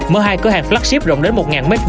mở hai cửa hàng classif rộng đến một m hai